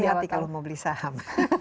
jadi hati hati kalau mau beli saham